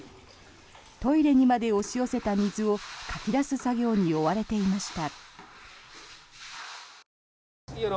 トイレにまで押し寄せた水をかき出す作業に追われていました。